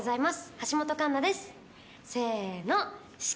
橋本環奈です。